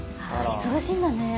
忙しいんだね。